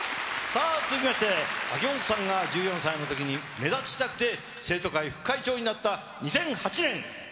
さあ、続きまして、秋元さんが１４歳のときに、目立ちたくて生徒会副会長になった２００８年。